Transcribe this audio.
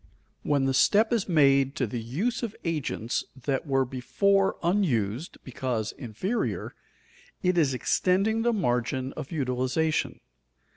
When the step is made to the use of agents that were before unused because inferior, it is extending the margin of utilization.